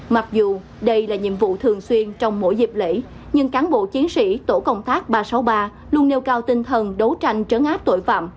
mặc dù đây là nhiệm vụ thường xuyên trong mỗi dịp lễ nhưng cán bộ chiến sĩ tổ công tác ba trăm sáu mươi ba luôn nêu cao tinh thần đấu tranh trấn áp tội phạm